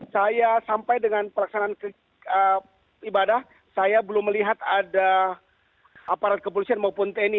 saya sampai dengan perlaksanaan ibadah saya belum melihat ada aparat kepolisian maupun tni